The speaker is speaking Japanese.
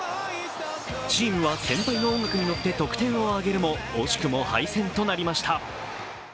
チームは先輩の音楽に乗って得点を挙げるも惜しくも敗戦となりました。